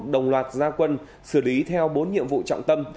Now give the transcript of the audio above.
đồng loạt gia quân xử lý theo bốn nhiệm vụ trọng tâm